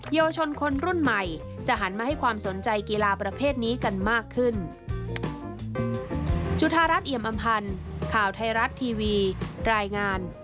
เยาวชนคนรุ่นใหม่จะหันมาให้ความสนใจกีฬาประเภทนี้กันมากขึ้น